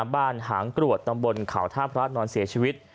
บ้านหางกลวดกลุ่มเก่าท่าพระนอนเสียชีวิต